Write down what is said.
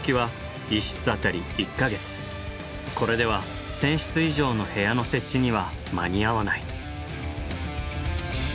これでは１，０００室以上の部屋の設置には間に合わない。